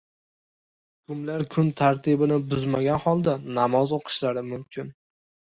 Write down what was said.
"Mahkumlar kun tartibini buzmagan holda namoz o‘qishlari mumkin"